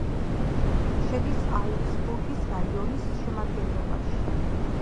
შედის აუგსბურგის რაიონის შემადგენლობაში.